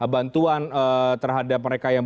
bantuan terhadap mereka yang